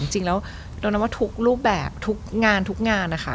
จริงแล้วโดนัมว่าทุกรูปแบบทุกงานทุกงานนะคะ